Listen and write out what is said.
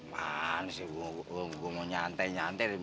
maan sih gua mau nyantai nyantai